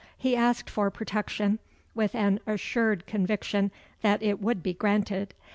He asked for protection, with an assured conviction that it would be granted.